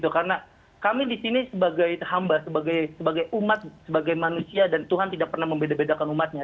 karena kami di sini sebagai hamba sebagai umat sebagai manusia dan tuhan tidak pernah membeda bedakan umatnya